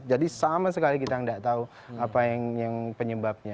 jadi sama sekali kita tidak tahu apa yang penyebabnya